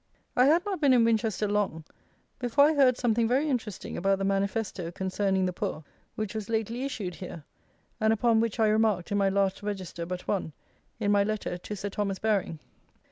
I had not been in Winchester long before I heard something very interesting about the manifesto, concerning the poor, which was lately issued here, and upon which I remarked in my last Register but one, in my Letter to Sir Thomas Baring.